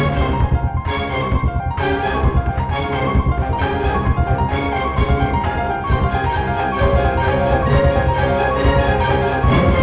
maaf maaf maaf nggak sengaja nggak sengaja